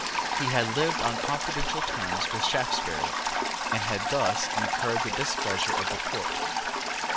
He had lived on confidential terms with Shaftesbury, and had thus incurred the displeasure of the court.